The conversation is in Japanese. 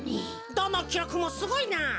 どのきろくもすごいな！